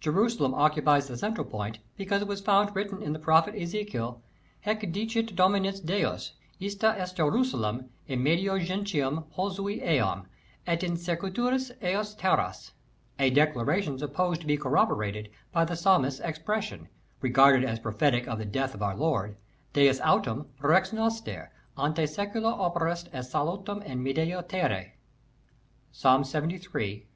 Jerusalem occupies the central point, because it was found written in the Prophet Ezekiel :" Haec dicit Dominus Deus : Ista est Jerusalem^ in medio gentium /^jr?/z eam^ et in ciratitii ejus terras ;"\ a declaration supposed to be corroborated by the Psalmist's expression, regarded as prophetic of the death of Our Lord :" Dens aniem, Rex noster, ante secula operatus est saliitem in medio Terrae" (Ps.